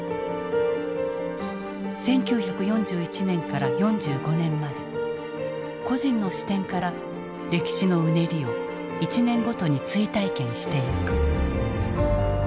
１９４１年から４５年まで個人の視点から歴史のうねりを１年ごとに追体験していく。